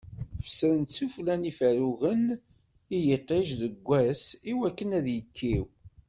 Fessrent-t sufella n yiferrugen i yiṭij deg wass i wakken ad yekkiw.